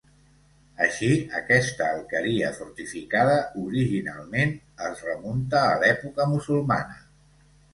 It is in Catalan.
Així, aquesta alqueria fortificada originalment, es remunta a l'època musulmana.